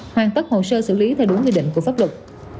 hoàn tất hồ sơ xử lý theo đúng quy định của pháp luật